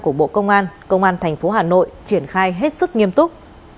của bộ công an công an tp hà nội triển khai hết sức nghiêm túc